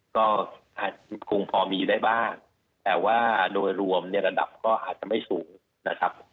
ก็คงพอมีอยู่ได้บ้างแต่ว่าโดยรวมเนี่ยระดับก็อาจจะไม่สูงนะครับ